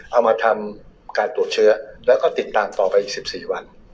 เอามาทำการตรวจเชื้อแล้วก็ติดตามต่อไปอีก๑๔วัน